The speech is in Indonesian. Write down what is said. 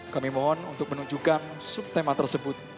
kami mohon untuk menunjukkan subtema tersebut